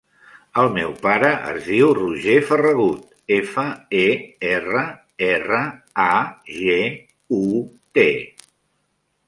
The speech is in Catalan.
El meu pare es diu Roger Ferragut: efa, e, erra, erra, a, ge, u, te.